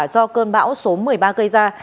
do cơn bão số một mươi ba gây ra